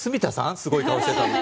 すごい顔してた。